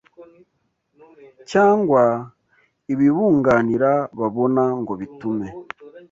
cyangwa ibibunganira babona ngo bitume